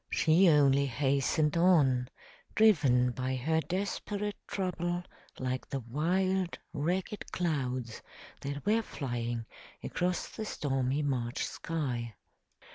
She only hastened on, driven by her desperate trouble like the wild, ragged clouds that were flying across the stormy March sky.